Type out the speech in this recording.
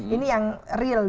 ini yang real